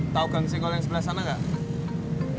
tau kang singol yang sebelah sana gak